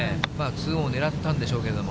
２オンを狙ったんでしょうけれども。